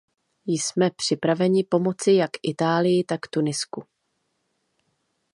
Jsme připraveni pomoci jak Itálii, tak Tunisku.